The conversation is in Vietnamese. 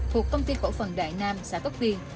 thuộc công ty khổ phần đại nam xã tóc tiên